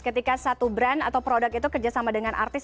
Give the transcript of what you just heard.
ketika satu brand atau produk itu kerjasama dengan artis